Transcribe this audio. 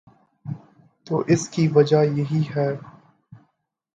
تو اس کی وجہ یہی ہے۔